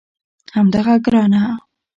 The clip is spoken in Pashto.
همدغه ګرانه